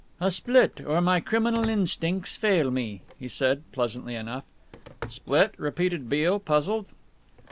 "A split! or my criminal instincts fail me," he said, pleasantly enough. "Split?" repeated Beale, puzzled.